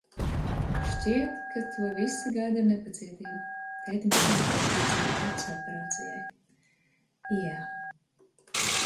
Šķiet, ka to visi gaida ar nepacietību. Tētim šomēnes vajadzētu būt acu operācijai. Jā...